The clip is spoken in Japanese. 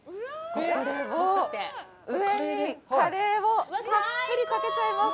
これを上にカレーをたっぷりかけちゃいます。